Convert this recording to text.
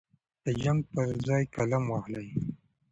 د جنګ پر ځای قلم واخلئ.